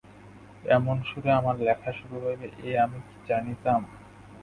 এমন সুরে আমার লেখা শুরু হইবে এ আমি কি জানিতাম।